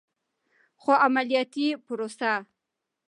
خو عملیاتي پروسه